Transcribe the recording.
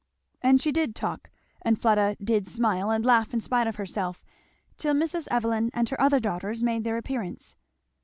And she did talk, and Fleda did smile and laugh, in spite of herself, till Mrs. Evelyn and her other daughters made their appearance.